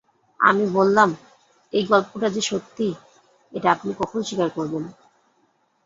আমি বললাম, এই গল্পটা যে সত্যি, এটা আপনি কখন স্বীকার করবেন?